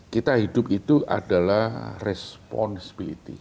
kita hidup itu adalah responsibility